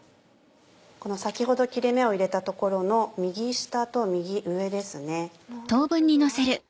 この先ほど切れ目を入れた所の右下と右上ですね。